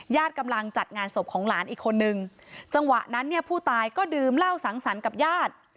กำลังจัดงานศพของหลานอีกคนนึงจังหวะนั้นเนี่ยผู้ตายก็ดื่มเหล้าสังสรรค์กับญาติ